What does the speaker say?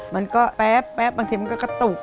มันก็แป๊บบางทีมันก็กระตุก